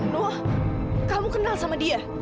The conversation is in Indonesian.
loh kamu kenal sama dia